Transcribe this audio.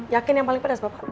yakin yang paling pedas bapak